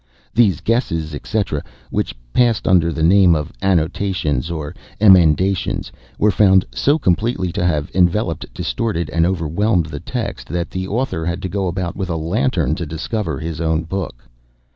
These guesses, etc., which passed under the name of annotations, or emendations, were found so completely to have enveloped, distorted, and overwhelmed the text, that the author had to go about with a lantern to discover his own book.